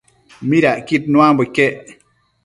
midacquid nuambo iquec?